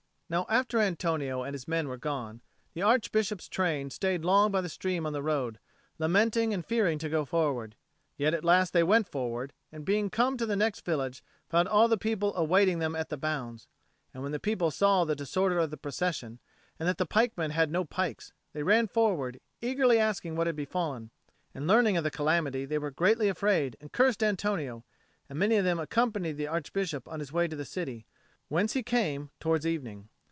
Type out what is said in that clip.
Now after Antonio and his men were gone, the Archbishop's train stayed long by the stream on the road, lamenting and fearing to go forward. Yet at last they went forward, and being come to the next village found all the people awaiting them at the bounds. And when the people saw the disorder of the procession, and that the pikemen had no pikes, they ran forward, eagerly asking what had befallen; and learning of the calamity, they were greatly afraid and cursed Antonio; and many of them accompanied the Archbishop on his way to the city, whence he came towards evening.